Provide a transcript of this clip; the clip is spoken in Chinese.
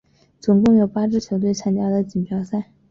总共有八支球队参加了锦标赛。